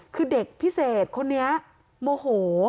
คือเด็กพิเศษคนนี้โมโห